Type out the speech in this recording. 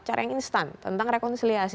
cara yang instan tentang rekonsiliasi